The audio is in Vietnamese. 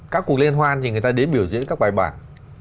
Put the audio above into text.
các cuộc liên hoan thì người ta đến biểu diễn các bài bản